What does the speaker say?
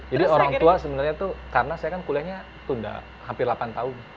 jadi orang tua sebenarnya tuh karena saya kan kuliahnya tunda hampir delapan tahun